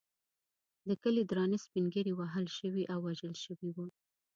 د کلي درانه سپین ږیري وهل شوي او وژل شوي وو.